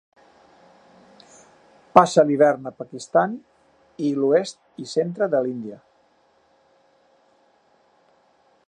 Passa l'hivern a Pakistan i l'oest i centre de l'Índia.